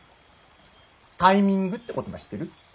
タイミングって言葉知ってる？